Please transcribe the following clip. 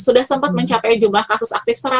sudah sempat mencapai jumlah kasus aktif